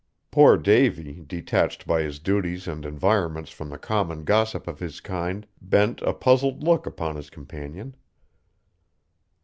Poor Davy, detached by his duties and environments from the common gossip of his kind, bent a puzzled look upon his companion.